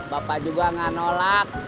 bapak juga gak nolak